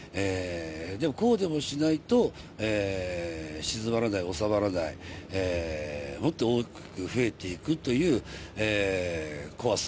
でもこうでもしないと、静まらない、収まらない、もっと大きく増えていくという怖さ。